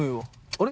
あれ？